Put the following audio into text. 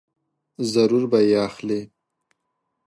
ضرور به یې اخلې !